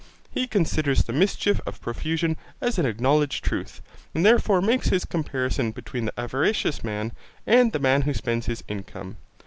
He considers the mischief of profusion as an acknowledged truth, and therefore makes his comparison between the avaricious man, and the man who spends his income.